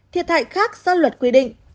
thiệt hại khác do luật quy định